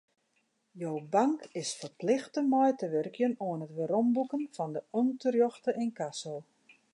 Jo bank is ferplichte mei te wurkjen oan it weromboeken fan de ûnterjochte ynkasso.